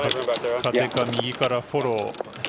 風が右からフォロー。